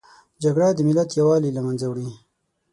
جګړه د ملت یووالي له منځه وړي